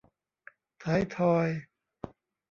ท้ายทอย